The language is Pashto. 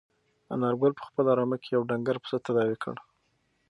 انارګل په خپله رمه کې یو ډنګر پسه تداوي کړ.